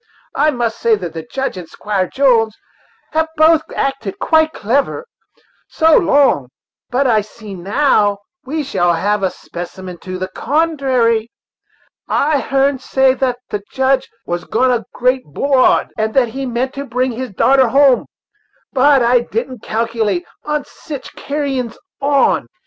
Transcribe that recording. I must say that the Judge and Squire Jones have both acted quite clever, so long; but I see that now we shall have a specimen to the contrary. I heern say thats the Judge was gone a great 'broad, and that he meant to bring his darter hum, but I didn't calculate on sich carrins on.